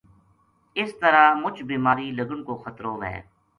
اس طرح مچ بیماری لگن کو خطرو وھے“